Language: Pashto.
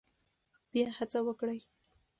بیا هڅه وکړئ.